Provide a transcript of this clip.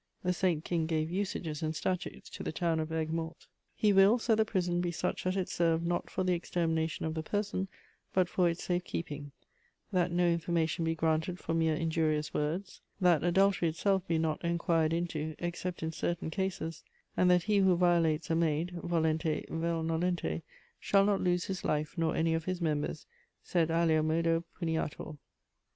The Saint king gave "usages" and statutes to the town of Aigues Mortes: "He wills that the prison be such that it serve not for the extermination of the person, but for its safe keeping; that no information be granted for mere injurious words; that adultery itself be not enquired into, except in certain cases; and that he who violates a maid, volente vel nolente, shall not lose his life, nor any of his members, _sed alio modo puniatur.